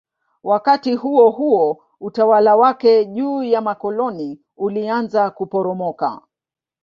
Wakati huohuo utawala wake juu ya makoloni ulianza kuporomoka.